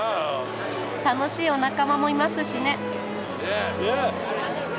楽しいお仲間もいますしね。